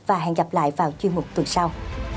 và hẹn gặp lại vào chương mục tuần sau